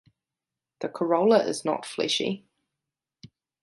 The corolla is not fleshy.